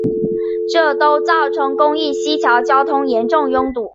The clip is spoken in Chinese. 这都造成公益西桥交通严重拥堵。